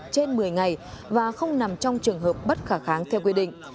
trên một mươi ngày và không nằm trong trường hợp bất khả kháng theo quy định